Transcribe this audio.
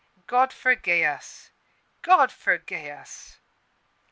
God forgi'e us God forgi'e us!